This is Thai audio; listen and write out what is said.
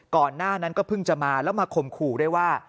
ก่อนหน้านั้นก็เพิ่งจะมาแล้วมาข่มขู่ด้วยว่า